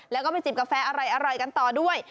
แล้วก็ไปจิบกาแฟอร่อยกันต่อด้วย